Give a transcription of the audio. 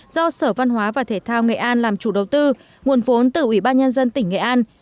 do sở văn hóa và thể thao nghệ an làm chủ đầu tư nguồn vốn từ ủy ban nhân dân tỉnh nghệ an